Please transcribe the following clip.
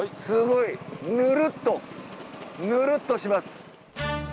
すごいぬるっとぬるっとします。